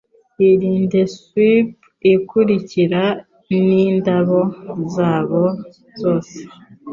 Irinde swath ikurikira nindabyo zayo zose: